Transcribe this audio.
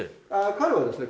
彼はですね